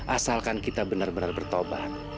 asalkan kita benar benar bertobat